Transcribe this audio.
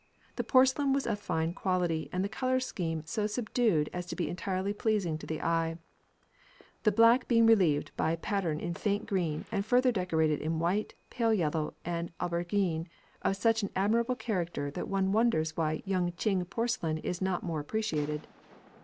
The porcelain was of fine quality and the scheme of colour so subdued as to be entirely pleasing to the eye, the black being relieved by pattern in faint green and further decorated in white, pale yellow, and aubergine of such an admirable character that one wonders why Yung ching porcelain is not more appreciated.